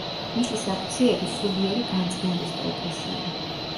მისი საქციელი სულიერი განწმენდის ტოლფასია.